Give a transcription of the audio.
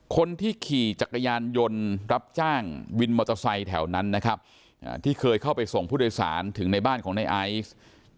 คนที่ขี่จักรยานยนต์รับจ้างวินมอเตอร์ไซค์แถวนั้นนะครับที่เคยเข้าไปส่งผู้โดยสารถึงในบ้านของในไอซ์